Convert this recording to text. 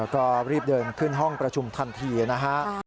ก็รีบเดินขึ้นห้องประชุมทันทีนะฮะ